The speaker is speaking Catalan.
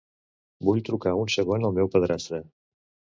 Vull trucar un segon al meu padrastre.